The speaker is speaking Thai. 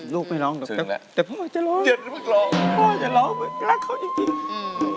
ลูกไม่ร้องหรอกแต่พ่อจะร้องอย่าเพิ่งร้องพ่อจะร้องรักเขาจริงจริงอืม